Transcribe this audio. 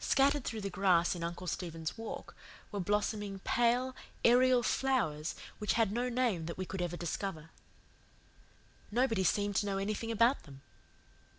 Scattered through the grass in Uncle Stephen's Walk, were blossoming pale, aerial flowers which had no name that we could ever discover. Nobody seemed to know anything about them.